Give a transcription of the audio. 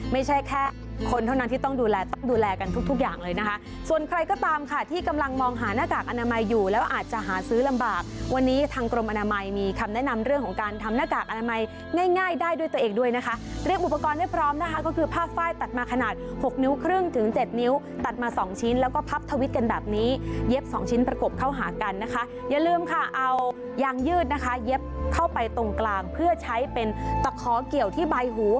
ไม่ใช่แค่คนเท่านั้นที่ต้องดูแลต้องดูแลกันทุกอย่างเลยนะคะส่วนใครก็ตามค่ะที่กำลังมองหาหน้ากากอนามัยอยู่แล้วอาจจะหาซื้อลำบากวันนี้ทางกรมอนามัยมีคำแนะนำเรื่องของการทำหน้ากากอนามัยง่ายได้ด้วยตัวเองด้วยนะคะเรียกอุปกรณ์ได้พร้อมนะคะก็คือผ้าฝ่ายตัดมาขนาด๖นิ้วครึ่งถึง๗นิ้วตัดมา๒ชิ้นแล้วก็พับ